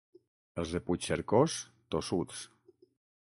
Els de Puigcercós, tossuts.